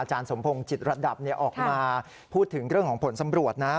สมพงษ์จิตระดับออกมาพูดถึงเรื่องของผลสำรวจนะ